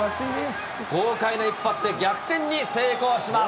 豪快な一発で、逆転に成功します。